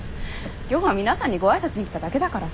今日は皆さんにご挨拶に来ただけだから。